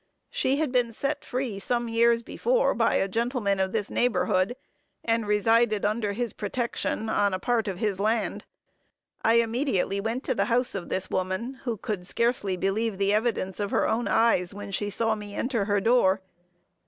She had been set free, some years before by a gentleman of this neighborhood, and resided under his protection, on a part of his land, I immediately went to the house of this woman, who could scarcely believe the evidence of her own eyes, when she saw me enter her door.